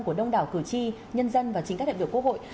của đông đảo cử tri nhân dân và chính các đại biểu quốc hội